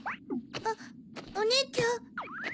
あっおねえちゃん？